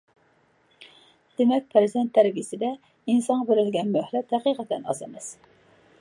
دېمەك، پەرزەنت تەربىيەسىدە ئىنسانغا بېرىلگەن مۆھلەت ھەقىقەتەن ئاز ئەمەس.